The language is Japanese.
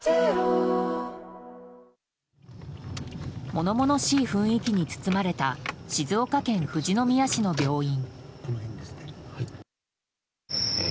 物々しい雰囲気に包まれた静岡県富士宮市の病院。